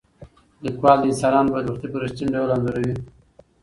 لیکوال د انسانانو بدبختي په رښتیني ډول انځوروي.